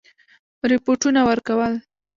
رپوټونه ورکول.